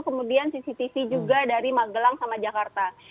kemudian cctv juga dari magelang sama jakarta